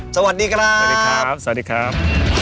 สวัสดีครับ